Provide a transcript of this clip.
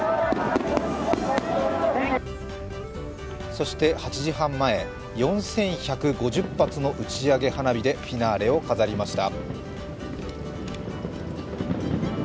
そして８時半前、４１５０発の打ち上げ花火でフィナーレを迎えました。